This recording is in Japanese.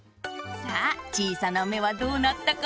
さあちいさなめはどうなったかな？